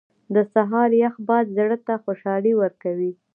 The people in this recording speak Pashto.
• د سهار یخ باد زړه ته خوشحالي ورکوي.